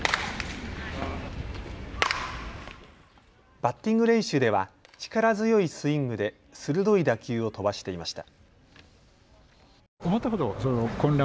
バッティング練習では力強いスイングで鋭い打球を飛ばしていました。